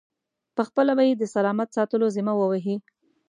پخپله به یې د سلامت ساتلو ذمه و وهي.